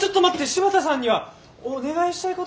柴田さんにはお願いしたいことがあって。